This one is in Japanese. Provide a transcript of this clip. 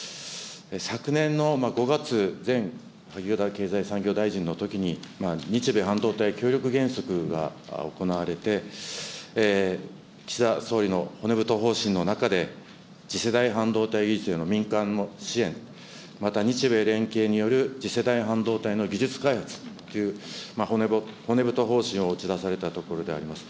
昨年の５月、前萩生田ぜん産業大臣のときに、日米半導体協力原則が行われて、岸田総理の骨太方針の中で、次世代半導体技術への民間の支援、また日米連携による次世代半導体の技術開発という骨太方針を打ち出されたところであります。